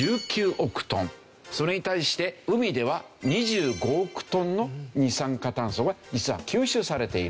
それに対して海では２５億トンの二酸化炭素が実は吸収されている。